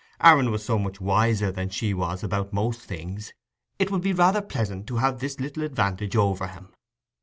Aaron was so much wiser than she was about most things—it would be rather pleasant to have this little advantage over him.